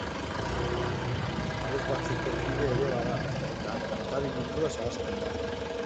Abesbatzeko kide ere bada eta han kantari munduaz ahazten da.